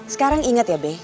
sekarang inget ya be